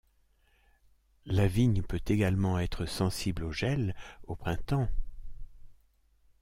La vigne peut également être sensible au gel au printemps.